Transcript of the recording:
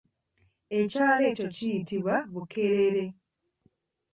Ekyalo ekyo kiyitibwa Bukeerere.